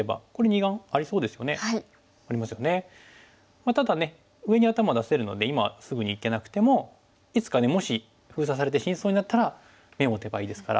まあただね上に頭出せるので今すぐにいけなくてもいつかねもし封鎖されて死にそうになったら眼を持てばいいですから。